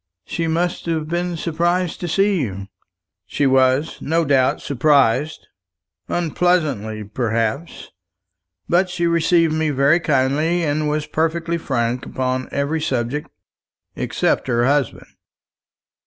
"She must have been surprised to see you." "She was, no doubt, surprised unpleasantly, perhaps; but she received me very kindly, and was perfectly frank upon every subject except her husband.